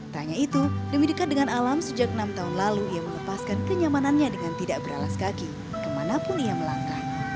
tanya itu demi dekat dengan alam sejak enam tahun lalu ia melepaskan kenyamanannya dengan tidak beralas kaki kemanapun ia melangkah